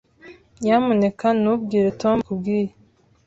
Nyamuneka ntubwire Tom ibyo nakubwiye.